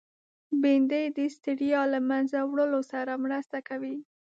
بېنډۍ د ستړیا له منځه وړلو سره مرسته کوي